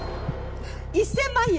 １，０００万円。